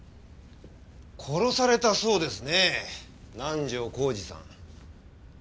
殺されたそうですね南条晃司さん。